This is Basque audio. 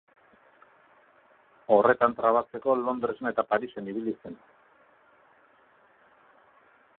Horretan trabatzeko, Londresen eta Parisen ibili zen.